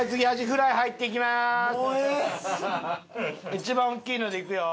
一番大きいのでいくよ。